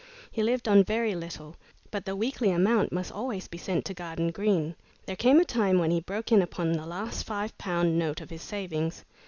He lived on very little, but the weekly amount must always be sent to Garden Green. There came a time when he broke in upon the last five pound note of his savings.